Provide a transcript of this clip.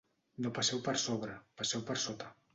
No passeu per sobre: passeu per sota.